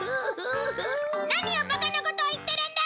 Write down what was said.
何をバカなことを言ってるんだ！